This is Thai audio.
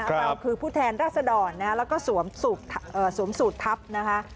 เราคือผู้แทนราษดรแล้วก็สวมสูตรทัพนะคะ